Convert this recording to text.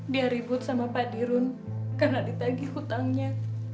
dia ribut sama pak dirun karena ditagi hutangnya